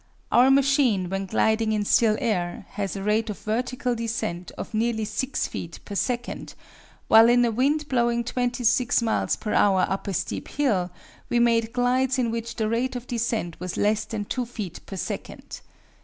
Our machine, when gliding in still air, has a rate of vertical descent of nearly six feet per second, while in a wind blowing 26 miles per hour up a steep hill we made glides in which the rate of descent was less than two feet per second.